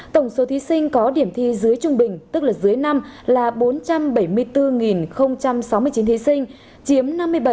tổng số thí sinh có điểm thi dưới trung bình tức là dưới năm là bốn trăm bảy mươi bốn sáu mươi chín thí sinh chiếm năm mươi bảy